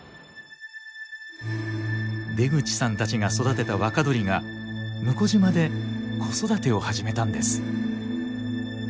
出口さんたちが育てた若鳥が聟島で子育てを始めたんです。